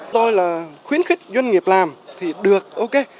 tôi là khuyến khích doanh nghiệp làm thì được ok